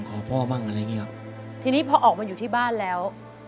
พ่อบ้างอะไรอย่างเงี้ครับทีนี้พอออกมาอยู่ที่บ้านแล้ว